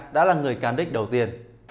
đã là người cán đích đầu tiên